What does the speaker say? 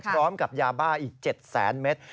พร้อมกับยาบ้าอีก๗แสนเมตร